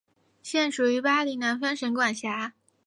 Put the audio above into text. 现属于巴林南方省管辖。